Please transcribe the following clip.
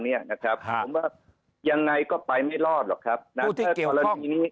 ผมว่ายังไงก็ไปไม่รอดหรอกครับดังเมื่อการณีนี้